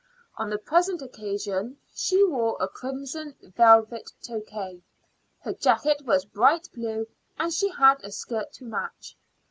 On the present occasion she wore a crimson velvet toque. Her jacket was bright blue, and she had a skirt to match.